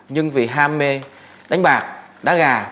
nhưng vì ham mê đánh bạc đá gà